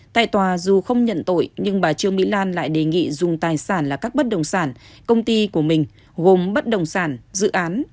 tại tòa dù không nhận tội nhưng bà trương mỹ lan lại đề nghị dùng tài sản là các bất đồng sản công ty của mình gồm bất đồng sản dự án